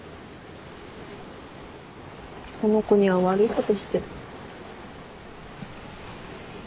この子には悪いことしてる。